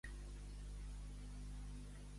Quins gèneres literaris ha realitzat?